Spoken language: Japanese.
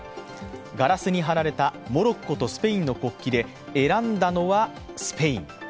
ガラスに貼られたモロッコとスペインの国旗で選んだのはスペイン。